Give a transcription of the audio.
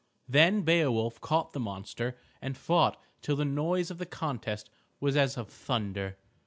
Then Beowulf caught the monster and fought till the noise of the contest was as of thunder.